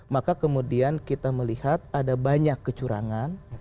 maka kemudian kita melihat ada banyak kecurangan